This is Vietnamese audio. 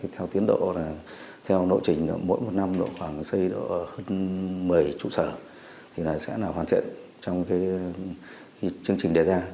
theo tiến độ theo nội trình mỗi một năm xây dựng hơn một mươi trụ sở sẽ hoàn thiện trong chương trình đề ra